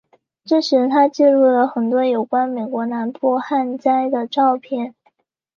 这时他记录了很多有关美国南部旱灾的照片。